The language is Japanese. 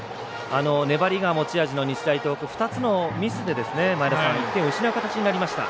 粘りが持ち味の日大東北２つのミスで１点を失う形になりました。